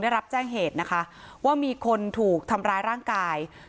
ได้รับแจ้งเหตุนะคะว่ามีคนถูกทำร้ายร่างกาย